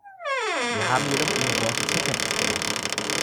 Wir haben jedoch Ihre Worte zur Kenntnis genommen.